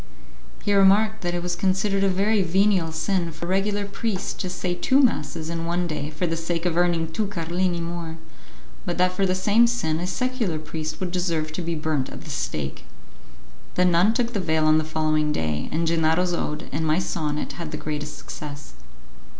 He remarked that it was considered a very venial sin for a regular priest to say two masses in one day for the sake of earning two carlini more, but that for the same sin a secular priest would deserve to be burnt at the stake. The nun took the veil on the following day, and Gennaro's ode and my sonnet had the greatest success.